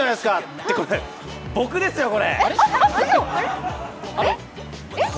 っていうか、僕ですよこれ！